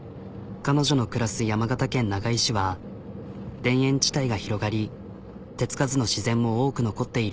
彼女の暮らすは田園地帯が広がり手付かずの自然も多く残っている。